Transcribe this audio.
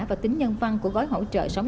và tính nhân văn của gói hỗ trợ sáu mươi hai tỷ